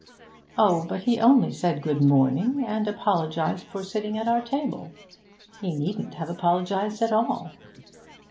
'Oh, but he only said good morning, and apologised for sitting at our table. He needn't have apologised at all.'